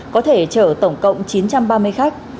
có thể chở tổng cộng chín trăm ba mươi khách